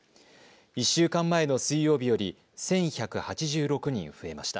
１週間前の水曜日より１１８６人増えました。